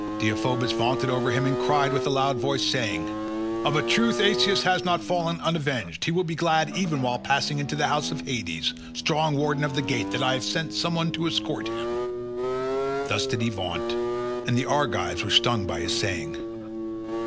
Deiphobus vaunted over him and cried with a loud voice saying, "Of a truth Asius has not fallen unavenged; he will be glad even while passing into the house of Hades, strong warden of the gate, that I have sent some one to escort him." Thus did he vaunt, and the Argives were stung by his saying.